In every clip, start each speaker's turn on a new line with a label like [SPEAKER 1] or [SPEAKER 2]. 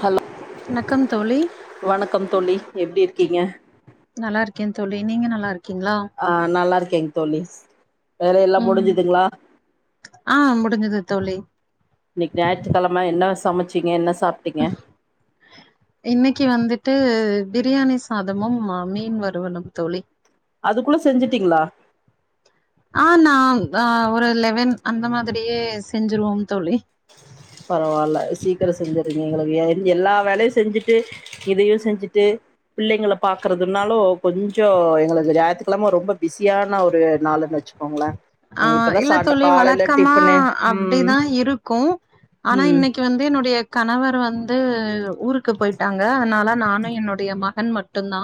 [SPEAKER 1] Hello
[SPEAKER 2] வணக்கம் தோழி
[SPEAKER 1] வணக்கம் தோழி எப்டி இருக்கீங்க
[SPEAKER 2] நல்லா இருக்கே தோழி நீங்க நல்லா இருக்கீங்ளா
[SPEAKER 1] ஆ நல்லாருக்கேங் தோழி வேலேல்லா
[SPEAKER 2] ம்
[SPEAKER 1] முடிஞ்சதுங்ளா
[SPEAKER 2] ஆ முடிஞ்சது தோழி
[SPEAKER 1] இன்னிக்கு நாயிற்றுக்கெழம என்ன சமச்சீங்க என்ன சாப்ட்டீங்க
[SPEAKER 2] இன்னிக்கு வந்துட்டு பிரியாணி சாதமும் அ மீன் வருவலும் தோழி
[SPEAKER 1] அதுக்குள்ள செஞ்சுட்டீங்ளா
[SPEAKER 2] ஆ நா அ ஒரு லெவன் அந்த மாதிரியே செஞ்சுருவோம் தோழி
[SPEAKER 1] பரவால்ல சீக்கிரோ செஞ்சறீங்க எங்களுக்கு என் எல்லா வேலயு செஞ்சுட்டு இதையு செஞ்சுட்டு புள்ளைங்கள பாக்கறதுனாலு கொஞ்சோ எங்களுக்கு ஞாயித்துக்கெழம ரொம்ப பிஸியான ஒரு நாள்ன்னு வச்சு கோங்ள
[SPEAKER 2] ஆ இல்ல தோழி வழக்கமா
[SPEAKER 1] ம்
[SPEAKER 2] அப்டிதா இருக் க்கு ஆனா
[SPEAKER 1] ம்
[SPEAKER 2] இன்னிக்கு வந்து என்னுடைய கணவர் வந்து ஊருக்கு போயிட்டாங்க அதனால நானு என்னுடைய மகன் மட்டுந்தா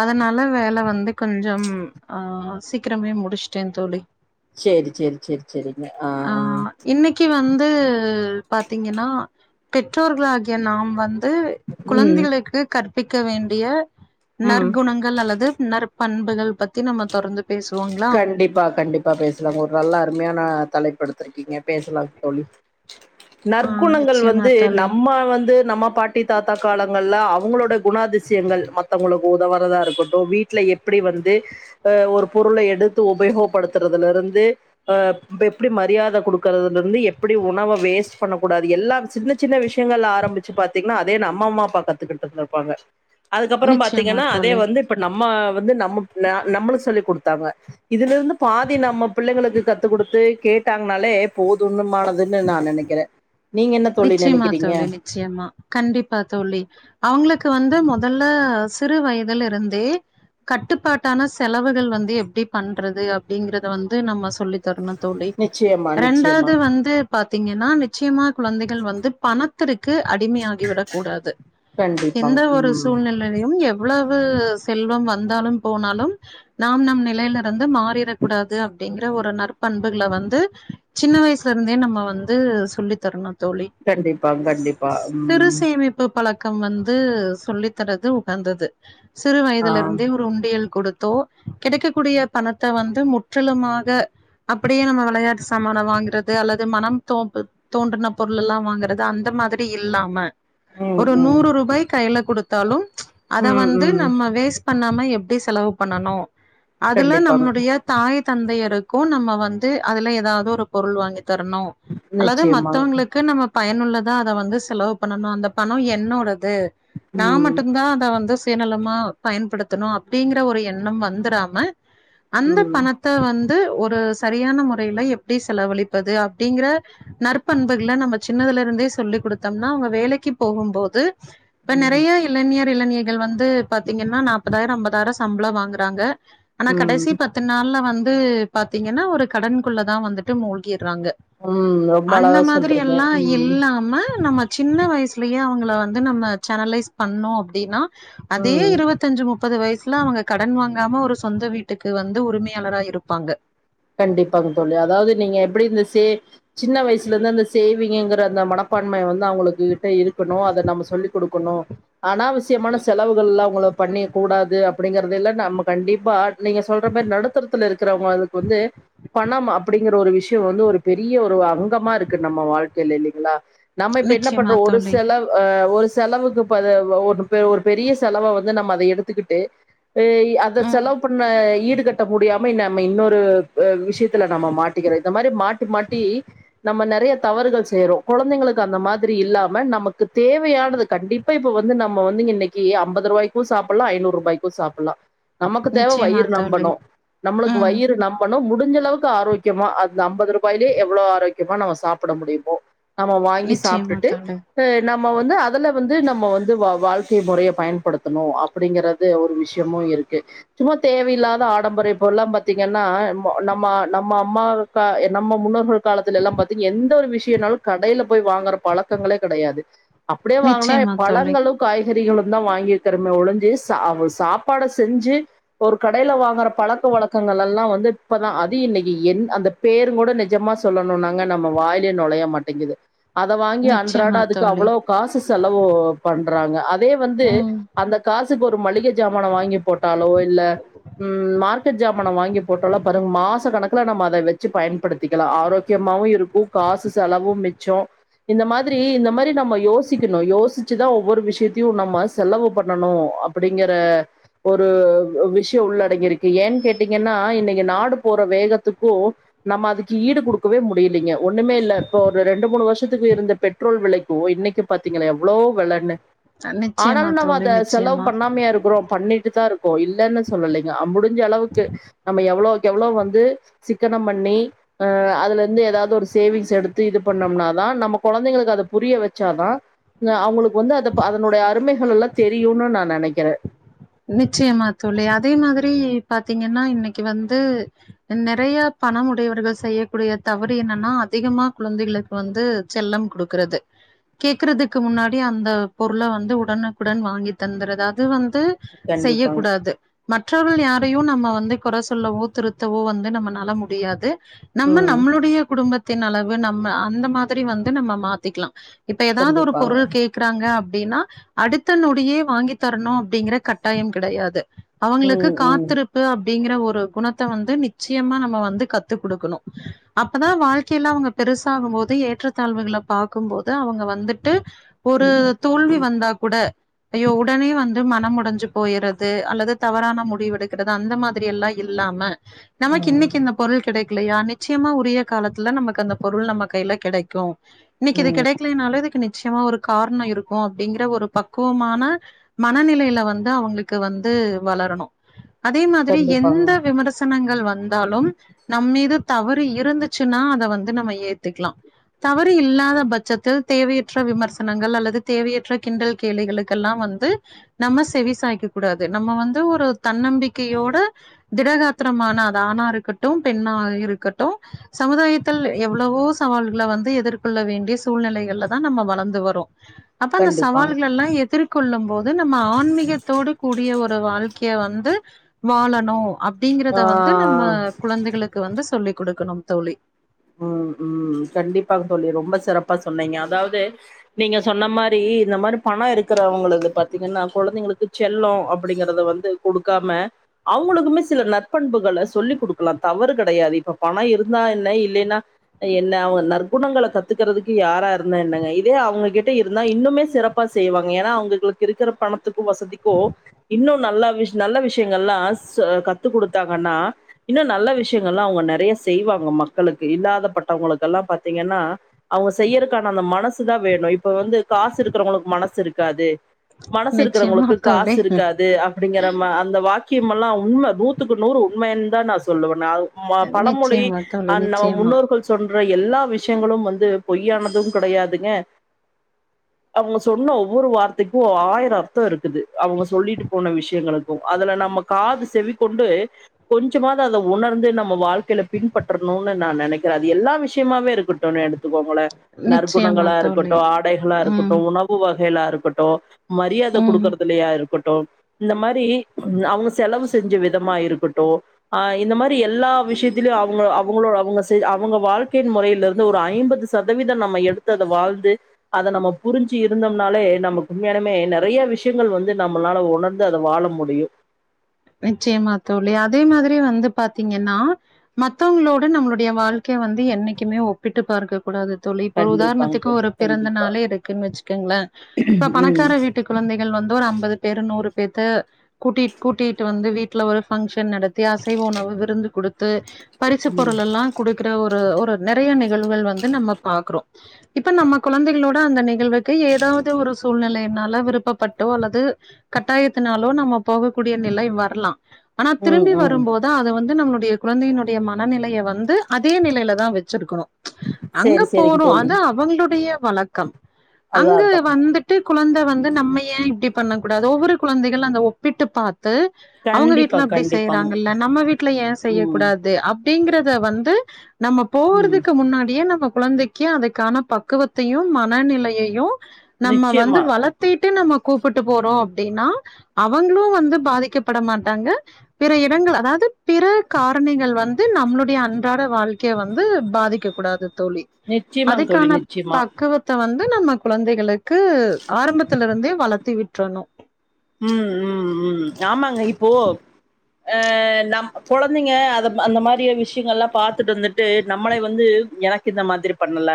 [SPEAKER 2] அதனால வேல வந்து கொஞ்சம் ஆ சீக்கரமே முடிச் ட்டேன் தோழி
[SPEAKER 1] சேரி சேரி சேரி சேரிங்க ஆ ஆ
[SPEAKER 2] க்கு வந்து பாத்தீங்கன்னா பெற்றோர்களாகிய நாம் வந்து
[SPEAKER 1] ம்
[SPEAKER 2] கொழந்தைகளுக்கு கற்பிக்க வேண்டிய
[SPEAKER 1] ம்
[SPEAKER 2] நற்குணங் கள் நல்லது நற்பண்புகள் பத்தி நம்ம தொடர்ந்து பேசுவோங்களா
[SPEAKER 1] கண்டிப்பா கண்டிப் ப்பா பேசலாம்ங்க ஒரு நல்லா அருமையான தலைப்ப எடுத்திருக்கீங்க பேசலாம் தோழி
[SPEAKER 2] ஆ
[SPEAKER 1] நற்குணங்கள்
[SPEAKER 2] நிச்சயமா
[SPEAKER 1] வந்து
[SPEAKER 2] தோழி
[SPEAKER 1] நம்ம வந்து நம்ம பாட் ட்டி தாத்தா காலங்கள்ல அவுங்களோட குணாதிசயங்கள் மத்தவங்களுக்கு உதவுறதா இருக்கட்டு வீட்ல எப்டி வந்து அ ஒரு பொருள எடுத்து உபயோகப்படுத்துறதுல இருந்து அ எப்டி மரியாத குடுக்கறதுல இருந்து எப்டி உணவ வேஸ்ட் பண்ணக்கூடாது எல்லாம் சின்ன சின்ன விஷயங்கள் ஆரம்பிச்சு பாத்தீங்கன்னா அதே நம்ப அம்மா அப்பா கத்துக்கிட்டு இருந்திருப்பாங்க அதுக்கப்பறோ
[SPEAKER 2] நிச்சயமா
[SPEAKER 1] பாத்தீங்கன்னா அதே
[SPEAKER 2] தோழி
[SPEAKER 1] வந்து இப்ப நம்ம வந்து நம்மக் ந நம்மளுக் சொல்லி குடுத்தாங்க இதுலருந்து பாதி நம்ம புள்ளைங்களுக்கு கத்து குடுத்து கேட்டாங்கனாலே போதுன்னுமானதுன்னு நா நெனைக் க்ற நீங்க என்ன தோழி நெனக்கிறீங்க
[SPEAKER 2] ச்சயமா கண்டிப்பா தோழி அவுங்களுக்கு வந்து மொதல்ல சிறு வயதில் இருந்தே கட்டுப்பாட்டான செலவுகள் வந்து எப்டி பண்றது அப்டிங்கறத வந்து நம்ம சொல்லி த்தருனு தோழி
[SPEAKER 1] நிச்சயமா நிச்சயமா
[SPEAKER 2] ரண்டாவது வந்து பாத்தீங்கன்னா நிச்சயமா கொழந்தைகள் வந்து பணத்திற்கு அடிமையாகிவிடக் கூடாது எந்த
[SPEAKER 1] கண்டிப்பாங்க.
[SPEAKER 2] ஒரு
[SPEAKER 1] ம்.
[SPEAKER 2] சூழ்நில சூழ்நிலயும் எவ்வளவு செல்வம் வந்தாலும் போனாலும் நாம் நம் நிலைல இருந்து மாறிடக்க கூடாது அப்டிங்கிற ஒரு நற்பண்புகள வந்து சின்ன வயசுல இருந்தே நம்ம வந்து சொல்லி த்தருனு தோழி
[SPEAKER 1] கண்டிப்பாங்க கண்டிப்பா.
[SPEAKER 2] சிறு
[SPEAKER 1] ம்.
[SPEAKER 2] சேமிப் பு பழக்கம் வந்து சொல்லி தரது உகந்தது சிறு
[SPEAKER 1] ஆ.
[SPEAKER 2] வயதுல இருந்தே ஒரு உண்டியல் குடுத்தோ கெடைக்கக்கூடிய பணத்த வந்து முற்றிலுமாக அப்டியே நம்ம வெளயாடிச்ச சாமானம் வாங்கறது அல்லது மனம் தோ தோன்றின பொருள் எல்லாம் வாங்கறது அந்த மாதிரி இல்லாம
[SPEAKER 1] ம்
[SPEAKER 2] ஒரு
[SPEAKER 1] ம்.
[SPEAKER 2] நூறு ரூபாய் கைல குடுத்தாலும் அத
[SPEAKER 1] ம்
[SPEAKER 2] வந்து
[SPEAKER 1] ம்.
[SPEAKER 2] நம்ம வேஸ்ட் பண்ணாம எப்டி செலவு பண்ணணும் அதுல
[SPEAKER 1] கண்டிப்பாங்க.
[SPEAKER 2] நம்மளுடைய தாய் தந்தையருக்கும் நம்ம வந்து அதுல ஏதாவது ஒரு பொருள் வாங்கி தரனும் அல்லது
[SPEAKER 1] நிச்சயமாங்க.
[SPEAKER 2] மத்தவங்களுக்கு நம்ம பயனுள்ளதா அத வந்து செலவு பண்ணணும் அந்த பணம் என்னோடது நா
[SPEAKER 1] ம்.
[SPEAKER 2] மட்டும் தான் அத வந்து சயநலமா பயன்படுத்தணும் அப்டிங்கிற ஒரு எண்ணம் வந்துடம அந்த
[SPEAKER 1] ம்.
[SPEAKER 2] பண த்த வந்து ஒரு சரியான முறைல எப்டி செலவழிப்பது அப்டிங்கிற நற்பண்புகள்ள நம்ம சின்னதுல இருந்தே சொல்லி் குடுத்தோம்னா அவுங்க வேலைக்கு போகும் போது இப்ப நிறைய இளைஞர் இளைஞிகள் வந்து பாத்தீங்கன்னா நாப்பதாயிரம் ஐம்பதாயிரம் சம்பளம் வாங்குறாங்க ஆனா
[SPEAKER 1] ம்.
[SPEAKER 2] கடைசி பத்து நாள்ல வந்து பாத்தீங்கன்னா ஒரு கடன் குள்ளதான் வந்துட்டு மூழ்கிறாங்க
[SPEAKER 1] ம். ரொம்ப
[SPEAKER 2] அந்த
[SPEAKER 1] அழகா
[SPEAKER 2] மாதிரி
[SPEAKER 1] சொல்றீங்க.
[SPEAKER 2] எல்லாம்
[SPEAKER 1] ம்.
[SPEAKER 2] இல்லாம நம்ம சின்ன வயசுலேயே அவங்கள வந்து நம்ம சனலைஸ் பண்ணோம் அப்படின்னா அதே
[SPEAKER 1] ம்.
[SPEAKER 2] இருவத் தெஞ்சு முப்பது வயசுல அவங்க கடன் வாங்காம ஒரு சொந்த வீட்டுக்கு வந்து உரிமையாளரா இருப்பாங்க
[SPEAKER 1] கண்டிப்பாங்க தோழி அதாவது நீங்க எப்படி இரு இந்த சே சின்ன வயசுல இருந்து அந்த சேவிங்கங்கிற அந்த மனப்பான்மைை அவங்களுக் கிட்ட இருக்கணும் அதை நம்ம சொல்லி கொடுக்கணும் அனாவசியமான செலவுகள் எல்லாம் உங்கள பண்ண கூடாது அப்படிங்கறத இல்ல நம்ம கண்டிப்பா நீங்க சொல்ற மாரி நடுத்தரத்துல இருக்கிறவங்க அதுக்கு வந்து பணம் அப்படிங்கிற ஒரு விஷயம் வந்து ஒரு பெரிய ஒரு அங்கமா இருக்கு நம்ம வாழ்க்கையில இல்லைங்களா நம்ம இப்ப என்ன பண்ற
[SPEAKER 2] நிச்சயமா
[SPEAKER 1] ஒரு
[SPEAKER 2] தோழி
[SPEAKER 1] செலவ் அ ஒரு செலவுக்கு ரு பெ ஒரு பெரிய செலவ வந்து நம்ம அத எடுத்துக்கிட்டு அதை அத
[SPEAKER 2] ம்
[SPEAKER 1] செலவு பண்ண ஈடுகட்ட முடியாம நம்ம இன்னொ ரு அ விஷயத்துல நம்ம மாட்டிக்கிறோம் இந்த மாதிரி மாட்டி மாட்டி நம்ம நறைய தவறுகள் செய்றோம் குழந்தைங்களுக்கு அந்த மாதிரி இல்லாம நமக்கு தேவையானது கண்டிப்ப பா இப்ப வந்து நம்ம வந்து இன்னைக்கு ஐம்பது ரூாபாய்கும் சாப்புலா ஐநூறுபாய்கும் சாப்புலா நமக்கு தேவ
[SPEAKER 2] நிச்சயமா
[SPEAKER 1] வயிறு
[SPEAKER 2] தோழி
[SPEAKER 1] நம்பணும் நம்மளுக்கு
[SPEAKER 2] ம்
[SPEAKER 1] வயிறு நம்பனும் முடிஞ்ச அளவுக்கு ஆரோக்கியமா அந்த ஐம்பது ரூபாயிலயே எவ்வளவு ஆரோக்கியமா நம்ம சாப்பிட முடியமோ நம்ம வாங்கி
[SPEAKER 2] நிச்சயமா
[SPEAKER 1] சாப்ட்டுட்டு
[SPEAKER 2] தோழி
[SPEAKER 1] வந்து நம்ம வந்து அதுல வந்து நம்ம வந்து வா வாழ்க்கை முறையை பயன்படுத்தணும் அப்பிடிங்ற வந்து ஒரு விஷயமும் இருக்கு சும்மா தேவையில்லாத ஆடம்பர இப்போ எல்லாம் பா த்தீங்கன்னா நம்மோ நம்ம நம்ம அம்மாவுக்க நம்ம முன்னோர்கள் காலத்துல எல்லாம் பாத்தீங்க எந்த ஒரு விஷயனாலும் கடைல போய் வாங்குற பழக்கங்களே கிடையாது அப்டியே வாங்கனா
[SPEAKER 2] நிச்சயமா தோழி
[SPEAKER 1] பழங்களும் காய்கறிகளும் தான் வாங்கிக்கிறம ஒழஞ்சி சா சாப்பாட செஞ்சு இப்ப ஒரு கடையில் வாங்கற பழக்க வழக் கங்கள் எல்லாம் வந்து இப்பதான் அது இன்னைக்கு இந் அந்த பேரும் கூட நிஜமா சொல்லணும்னாங்க நம்ம வாயிலை நொழைய மாட் ங்கது அத வாங்கி அன்றாட
[SPEAKER 2] நிச்சயமா
[SPEAKER 1] அதுக்கு
[SPEAKER 2] தோழி
[SPEAKER 1] அவ்வளோ காசு செலவு பண்றாங்க அதே வந்து
[SPEAKER 2] ம்
[SPEAKER 1] அந்த காசு [unintelligible] ஒரு மளிகை சமான வாங்கி போட்டாலோ இல்ல உ மார்க்கெட் ஜாம வாங்கி போட்டோம்ல பாருங்க மாச கணக்குல நம்ம அதை வச்சு பயன்படுத்திக்கலா ஆரோக்கியமாவு இருக்கு காசு செலவும் மிச்சம் இந்த மாதிரி இந்த மாதிரி நம்ம யோசிக்கணு யோசிச்சுதா ஒவ்வொரு விஷயத்தையு நம்ம செலவு பண்ணணு அப்படிங்கற ஒரு விஷய உள்ளடங்கியிருக்கு ஏன்னு கேட் ட்டீங்கன்னா இன்னைக்கு நாடு போற வேகத்துக்கு நம்ம அதுக்கு ஈடு குடுக்கவே முடியலீங்க ஒண்ணுமே இல்ல இப்ப ஒரு ரெண்டு மூணு வருஷத்துக்கு இருந்த பெ பெட்ரோல் வெளைக்கு இன்னைக்கு பாத்தீங்களா எவ்ளோ வெளன்னு
[SPEAKER 2] நிச்சயமா
[SPEAKER 1] ஆனாலு நம்ம
[SPEAKER 2] தோழி
[SPEAKER 1] அத செலவு
[SPEAKER 2] நிச்சயமா
[SPEAKER 1] பண்ணாமையா இருக்கிறோ பண்ணிட் தா இருக்ககோ இல்லைன்னு சொல்லலைங்க முடிஞ்ச அளவுக்கு நம்ம எவ்ளோக்கு எவ்வளளோ வந்து சிக்கனம் பண்ணி அ அதுல இருந்து ஏதாவது ஒரு சேவிங்ஸ் எடுத்து இது பண்ணோம்னாதா நம்ம கொழந்தைங்களுக்கு அத புரிய வச்சாதா அவங்களுக்கு வந்து அத அதனுடைய அருமைகள்ளா தெரியும்னு நெனைக்கிறே
[SPEAKER 2] நிச்சயமா தோழி அதே மாதிரி பாத்தீங்கன்னா இன்னைக்கு வந்து நெறைய பணம் உடையவர்கள் செய்யக்கூடிய தவறு என்னன்னா அதிகமா குழந்தைகளுக்கு வந்து செல்லம் குடுக்குறது கேக்குறதுக்கு முன்னாடி அந்த பொருளை வந்து உடனுக்குடன் வாங்கி தந்துது அது வந்து செய்ய
[SPEAKER 1] கண்டிப்பாங்க
[SPEAKER 2] கூடாது மற்றவர்கள் யாரையு நம்ம வந்து குறை சொல்லவோ திருத்தவோ வந்து நம்ம நால முடியாது நம்ம
[SPEAKER 1] ம்
[SPEAKER 2] நம்மளுடைய குடும்பத்தின் அளவு நம்ம அந்த மாதிரி வந்து நம்ம மாத்திக்கலா இப்ப ஏதாவது ஒரு
[SPEAKER 1] கண்டிப்பாங்க
[SPEAKER 2] பொருள் கேக்கறாங்க அப்படின்னா அடுத்த நொடியே வாங்கி தரணு அப்படிங்கிற கட்டாயம் கிடையாது அவங்களுக்கு
[SPEAKER 1] ம் ம்
[SPEAKER 2] காத்திரு அப்படிங்கிற ஒரு குணத்தை வந்து நிச்சயமா நம்ம வந்து கத்து குடுக்கணு அப்பதா வாழ்க்கைய எல்லா அவங்க பெருசாகும் போது ஏற்றத்தாழ்வுகளை பாக்கும் போது அவங்க வந்துட்டு ஒரு தோல்வி வந்தா கூட ஐயோ உடனே வந்து மனம் உடஞ் சி போயிறது அல்லது தவறான முடிவு எடுக்கிறது அந்த மாதிரி எல்லா இல்லாம நமக்கு
[SPEAKER 1] ம்
[SPEAKER 2] இன்க்கு இந்த பொருள் கிடைக்கலையா நிச்சியமா உரிய காலத்துல நமக்கு அந்த பொருள் நம்ம கையில கெடைக்கு இன்னைக்கு இது
[SPEAKER 1] ம்
[SPEAKER 2] கிடைக்கையன்னால இதுக்கு நிச்சயமா இருக் காரண இருக்கு அப்படிங்கற ஒரு பக்குவமான மனநிலையில வந் து அவங்களுக்கு வந்து வளரணு அதே மாதிரி
[SPEAKER 1] கண்டிப்பாங்க
[SPEAKER 2] எந்த விமர்ச னங்கள் வந்தாலும் நம் மீது தவறி இருந்துச்சுன்னா அத வந்து நம்ம ஏத் த்துக்கலா தவ று இல்லாத பட்சத்தில் தேவையற்ற விமர்சனங்கள் அல்லது தேவையற்ற கிண்டல் கேளிகளுக்கெல்லா வந்து நம்ம செவி சாய்க்க கூடாது நம்ம வந்து தன்னம்பிக்கையோட திடகாத்திரமானா அது ஆனா இருக்கட்டு பெண்ணா இருக்கட்டு சமுதாயத் ள் எவ்வளவோ சவால்கள வந்து எதிர்கொள்ள வேண்டிய சூழ்நிலைகள்ல தா நம்ம வளந்து வறோ அப்ப அந்த
[SPEAKER 1] கண்டிப்பாங்க
[SPEAKER 2] சவால்க எல்லா எதிர்கொள்ளும் போது நம்ம ஆன்மீக கூடிய ஒரு வாழ்க்கையை வந்து வாழணு அப்படிங்கறத வந்து நம்ம
[SPEAKER 1] ஆ
[SPEAKER 2] குழந்தைகளுக் கு வந்து சொல்லி குடுக்கணு தோழி
[SPEAKER 1] ம் ம் கண்டிப்பா தோழி ரொம்ப சிறப்பா சொன்னீங்க அதாவது நீங்க சொன்ன மாரி இந்த மாரி பண இருக்கிறவங்களது பாத்தீங்கன்னா குழந்தைங்களுக்கு செல்லோ அப்படிங்கறத வந்து குடுக்காம அவங்களுக்குமே சில நற்பண்புகளை சொல்லிக் குடுக்கலா தவறு கெடையாது இப்ப பண இருந்தா என்ன இல்லைனா என்ன அவுங்க நற்குணங்கள கத்துக்கறதுக்கு யாரா இருந்தா என்னங்க இதே அவுங்ககிட்ட இருந்தா இன்னுமே சிற ப்பா செய்வாங்க ஏன்னா அவுங்களுக்கு இருக்கிற பணத்துக்கு வசதிக்கு இன்னு நல்லா விஷ் நல்ல விஷயங்கள்லா கத்து குடுத்தாங்கன்னா இன்னு நல்ல விஷயங்கள்லா அவுங்க நறைய செய்வாங்க மக்களுக்கு இல்லாதப்பட்டவங்களுக்கெல்லா பாத்தீங்கன்னா பாாரத்தீங்கன்னா அவுங்க செய்யறக்கான அந்த மனசுதா வேணு இப்ப வந்து காசு இருக்கிறவங்களுக்கு மனசு இருக்காது மனசு
[SPEAKER 2] நிச்சயமா
[SPEAKER 1] இருக்கிறவங்களுக்கு காசு
[SPEAKER 2] தோழி
[SPEAKER 1] இருக்காது அப்டிங்கற அந்த வாக்கியமெல்லா உண்ம நூத்துக்கு நூறு உண்மைன் தா நா சொல்லுவே
[SPEAKER 2] நிச்சியமா தோழி நிச்சியமா
[SPEAKER 1] கள் சொல்ற எல்லா விஷயங்களும் வந்து பொய்யானதும் கெடையாதுங்க அவுங்க சொன்ன ஒவ்வொரு வார்த்தைக்கு ஆயிரோ அர்த்தோ இருக்குது அவுங்க சொல்லிட்டு போன விஷ்யங்களுக் கு அதுல நம்ம காது செவிக்கொண்டு கொஞ்சமாது அத உணர்ந்து நம்ம வாழ்க்கையில பின்பற் றனுன் நா நனைக்கிறே அது எல்லா விஷ்யமாவே இருக்குட் டுன் எடுத்துக்கோங்கள
[SPEAKER 2] நிச்சயமா
[SPEAKER 1] நற்குணங்களா
[SPEAKER 2] தோழி
[SPEAKER 1] இருக்கட்டு ஆடைகளா இருக்கட்டு
[SPEAKER 2] ம்
[SPEAKER 1] உணவு வகையிலா இருக்கட்டு மரியாத
[SPEAKER 2] ம்
[SPEAKER 1] குடுக்கறதுலையா இருக்கட்டு இந்த மாரி அவுங்க செலவு செஞ்ச விதமா இருக்கட்டு அ இந்த மாரி எல்லா விஷயத்திலயு அவுங்க உங்களோட உங்க செய் அவுங்க வாழ்க்கையின் முறையில இருந்து ஒரு ஐம்பது சதவீதம் நம்ம எடுத்து அத வாழ்ந்து அத நம்ம புரிஞ்சி இருந்தோம்னாலே நம உண்மையானமே நெறைய விஷயங்கள் வந்து நம்மளால உணர் ந்து அத வாழ முடியு
[SPEAKER 2] நிச்சயமா தோழி அதே மாதிரி வந்து பாத்தீங்கன்னா மத்தவங்களோட நம்மளுடைய வாழ்க்கை வந்து என்னைக்குமே ஒப்பிட்டு பார்க்க கூடாது தோழி இப்ப
[SPEAKER 1] கண்டிப்பாங்க
[SPEAKER 2] உதாரணத்துக்கு
[SPEAKER 1] தோழி
[SPEAKER 2] ஒரு பிறந்த
[SPEAKER 1] கண்டிப்பா
[SPEAKER 2] நாளே இருக்குன் வச்சுக்கங்ள
[SPEAKER 1] ம்
[SPEAKER 2] இப்ப
[SPEAKER 1] ம்
[SPEAKER 2] பணக்கார வீட்டுக் கொழந்தைகள் வந்து ஒரு ஐம்பது பேரு நூறு பேத்த கூட்டி கூட்டிட்டு வந்து வீட்ல ஒரு ஃபங்க்ஷன் நடத்தி அசைவ உணவு விருந்து குடுத்து பரிசு பொருள் எல்லா குடுக்கற ஒரு ஒரு நறைய நிகழ்வுகள் வந்து நம்ம பாக்றோ இப்ப நம்ம கொழந்தைகளோட அந்த நிகழ்வுக்கு ஏதாவது ஒரு சூழ்நிலைன்னால விருப்பப்பட்டோ அல்லது கட்டாயத்தினாலோ நம்ம போகக்கூடிய நிலை வர்லா ஆனா
[SPEAKER 1] ம்
[SPEAKER 2] திரும்பி
[SPEAKER 1] ம்
[SPEAKER 2] வரும்போது தா அத வந்து நம்மளுடைய கொழந்தையினுடைய மனநிலையை வந்து அதே நிலையில தா வச்சிருக்கணு அங்க
[SPEAKER 1] சேரி சேரிங்க
[SPEAKER 2] போறோ
[SPEAKER 1] தோழி
[SPEAKER 2] அது அவுங்ளுடைய வழக்கம் அங்க
[SPEAKER 1] அதாதா
[SPEAKER 2] வந்துட் டு கொழந்த வந்து நம்ம ஏ இப்டி பண்ணக் கூடாது ஒவ்வொரு கொழந்தைகள் அந்த ஒப்பிட்டு பாத் து அவுங்க
[SPEAKER 1] கண்டிப்பா
[SPEAKER 2] வீட்ல அப்டி
[SPEAKER 1] கண்டிப்பாங்க
[SPEAKER 2] செய்றாங்கல்ல நம்ம வீட்ல ஏன்
[SPEAKER 1] ம்
[SPEAKER 2] செய்யக்கூடாது அப்டிங்கிறத வந்து நம்ம
[SPEAKER 1] ம்
[SPEAKER 2] போகறதுக்கு முன்னாடியே நம்ம கொழந்தை க்கி அதுக்கான பக்குவத்தையும் மனநிலையையு நம்ம வந்து
[SPEAKER 1] நிச்சயமா
[SPEAKER 2] வள த்திட்டு நம்ம கூப்புட்டு போறோ அப்டின்னா அவுங்ளு வந்து பாதிக்கப்பட மாட்டாங்க பிற இடங்கள் அதாவது பிற காரணிகள் வந்து நம்ளுடைய அன்றாட வாழ்க்கைய வந்து பாதிக்க கூடாது தோழி
[SPEAKER 1] நிச்சயமாங்க தோழி
[SPEAKER 2] அதுக்கான
[SPEAKER 1] நிச்சயமா
[SPEAKER 2] பக்குவத்த வந்து நம்ம கொழந்தைகளுக் கு ஆரம்பத்துல இருந்தே வளத்தி விட்ரணு
[SPEAKER 1] ம் ம் ம் ஆமாங்க இப்போ ஆ நம் கொழந்தைங்க அது அந்த மாரிய விஷ்யங்கள்லா பாத்துட்டு வந்துட் டு நம்மளை வந்து எனக்கு இந்த மாதிரி பண்ணல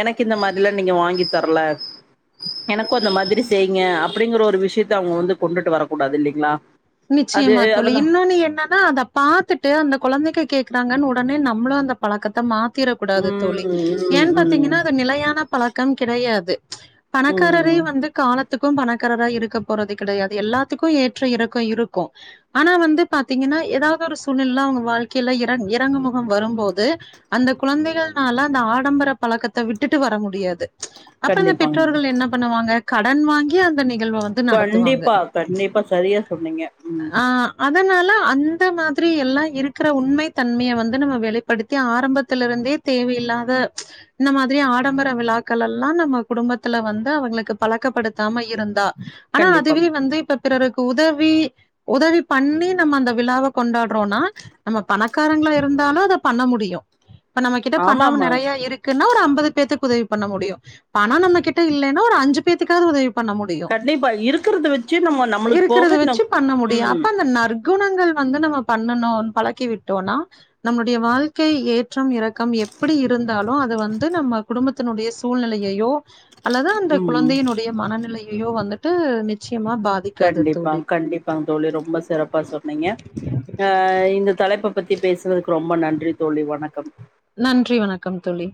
[SPEAKER 1] எனக்கு இந்த மாதிரிலா நீங்க வாங்கி தர்ல எனக்கு அந்த மாதிரி செய்ங்க அப்டிங்கற ஒரு விஷயத்த அவுங்க வந்து கொண்டுட்டு வரக்கூடாது இல்லைங்ளா
[SPEAKER 2] நிச்சயமா தோழி இன்னொன்னு என்னன்னா பாத்துட்டு அந்த கொழந்தைக்க கேக்குறாங்கன் உடனே நம்ளு அந்த பழக்கத்த மாத் தீரக்கூடாது
[SPEAKER 1] ம்
[SPEAKER 2] தோழி
[SPEAKER 1] ம்
[SPEAKER 2] ஏன்
[SPEAKER 1] ம்
[SPEAKER 2] பாத்தீங்கன்னா அது நிலையான பழக்கம் கிடையாது
[SPEAKER 1] ம்
[SPEAKER 2] பணக்காரரையு வந்து காலத்துக்கு பணக்காரரா இருக்க போறது கடையாது எல்லாத்துக்கு ஏற்ற இறக் கோ இருக்கு ஆனா வந்து பாத்தீங்கன்னா ஏதாவது ஒரு சூழ்நிலையில அவுங்க வாழ்க்கையில இற இறங்கும் முகம் வரும்போது அந்த குழந்தைகள்னால அந்த ஆடம்பர பழக்கத்த விட்டுட்டு வர முடியாது அப்பறோ இந்த
[SPEAKER 1] கண்டிப்பாங்க
[SPEAKER 2] பெற்றோர்கள் என்ன பண்ணுவாங்க கடன் வாங்கி அந்த நிகழ்வ வந்து நடத்துவாங்க.
[SPEAKER 1] கண்டிப்பா கண்டிப்பா சரியா சொன்னீங்க ம்
[SPEAKER 2] ஆ அதனால அந்த மாதிரி எல்லா இருக்கற உண்மை தன்மையை வந்து நம்ம வெளிப்படுத்தி ஆரம்பத்துல இருந்தே தேவையில்லாத இந்த மாதிரி ஆடம்பர விழாக்கள்ல்லா நம்ம குடும்பத்துல வந்து அவங்களுக்கு பழக்கப்படுத்தாம இருந் தா ஆனா
[SPEAKER 1] கண்டிப்பா
[SPEAKER 2] அதுவே வந்து இப்ப பிறருக்கு உதவி உதவி பண்ணி நம்ம அந்த விழாவ கொண்டாடுறோனா நம்ம பணக்காரங்கள இருந்தாலு அத பண்ண முடியு இப்ப நம்ம கிட்ட
[SPEAKER 1] ஆமா
[SPEAKER 2] பணம்
[SPEAKER 1] ஆமா
[SPEAKER 2] நறைய இருக் குனா ஒரு அம்பது பேத்துக்கு உதவி பண்ண முடியும் பணோ நம்ம கிட்ட இல்லன்னா ஒரு அஞ்சு பேத்துக்காது உதவி பண்ண முடியு
[SPEAKER 1] கண்டிப்பா இருக்கரத வச்
[SPEAKER 2] இருக்கறத வச்சு பண்ண முடியு அப்ப
[SPEAKER 1] ம்
[SPEAKER 2] அந்த நற் குணங்கள் வந்து நம்ம பண்ணணு பழக்கிவிட்டோனா நம்மளோடய வாழ்க்கை ஏற்றம் இறக் கம் எப்படி இருந்தாலு அத வந்து நம்ம குடும்பத்தினுடைய சூழ்நிலையையோ அல்லது அந்த
[SPEAKER 1] ம்
[SPEAKER 2] குழந்தையினுடைய மனநிலையையோ வந்துட்டு நிச்சயமா பாதி
[SPEAKER 1] கண்டிப்பா கண்டிப்பாங் தோழி ரொம்ப சிறப்பா சொன்னீங்க அ இந்த தலைப்ப பத்தி பேசுறதுக்கு ரொம்ப நன்றி தோழி வணக்கம்
[SPEAKER 2] நன்றி வணக்கம் தோழி